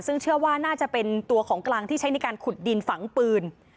ซึ่งเชื่อว่าน่าจะเป็นตัวของกลางที่ใช้ในการขุดดินฝังปืน